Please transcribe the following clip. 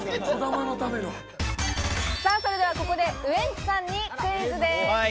それではここでウエンツさんにクイズです。